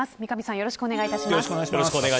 よろしくお願いします。